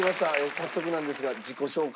早速なんですが自己紹介